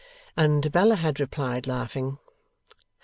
and Bella had replied laughing.